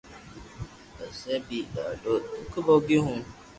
پسي بي ڌاڌو دوک ڀوگيو ھو